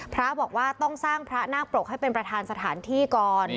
พระบอกว่าต้องสร้างพระนาคปรกให้เป็นประธานสถานที่ก่อน